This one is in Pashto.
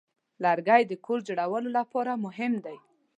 لرګی د کور جوړولو لپاره مهم دی.